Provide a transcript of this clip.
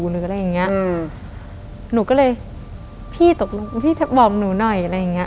หนูก็เลยพี่บอกหนูหน่อย